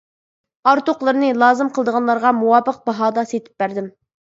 ئارتۇقلىرىنى لازىم قىلىدىغانلارغا مۇۋاپىق باھادا سېتىپ بەردىم.